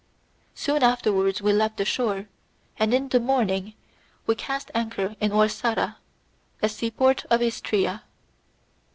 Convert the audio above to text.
Soon afterwards we left the shore, and in the morning we cast anchor in Orsara, a seaport of Istria.